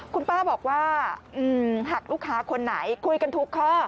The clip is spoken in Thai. คุณป้าบอกว่าหากลูกค้าคนไหนคุยกันทุกข้อ